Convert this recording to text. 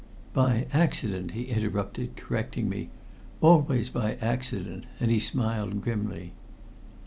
"By accident," he interrupted, correcting me. "Always by accident," and he smiled grimly.